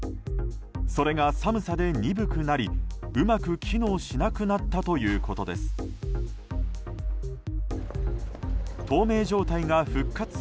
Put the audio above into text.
それが寒さで鈍くなりうまく機能しなくなったということです。